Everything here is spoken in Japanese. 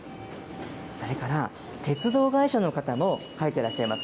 それから鉄道会社の方も書いてらっしゃいます。